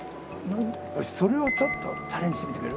よしそれをちょっとチャレンジしてみてくれる？